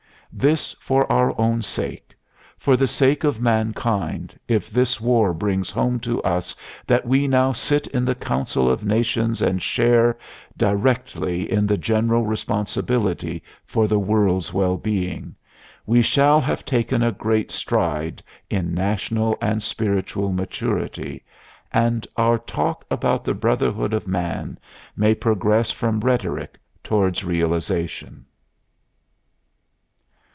This for our own sake. For the sake of mankind, if this war brings home to us that we now sit in the council of nations and share directly in the general responsibility for the world's well being, we shall have taken a great stride in national and spiritual maturity, and our talk about the brotherhood of man may progress from rhetoric towards realization.